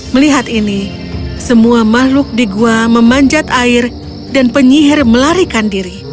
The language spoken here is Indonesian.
melihat ini semua makhluk di gua memanjat air dan penyihir melarikan diri